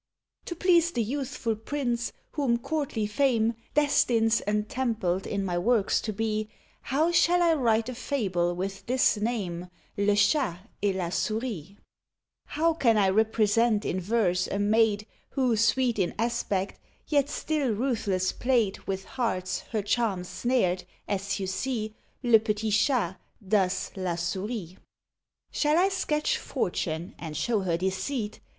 To please the youthful Prince whom courtly fame Destines entempled in my works to be, How shall I write a fable with this name Le Chat et la Souris? ("The Cat and the Mouse.") How can I represent in verse a maid Who, sweet in aspect, yet still ruthless played With hearts her charms snared, as you see Le petit Chat does la Souris? Shall I sketch Fortune, and show her deceit?